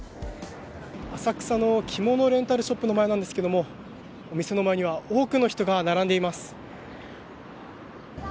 浅草の着物レンタルショップの前なんですけどお店の前には多くの人が並んでいます。